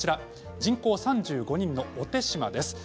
人口３５人の小手島です。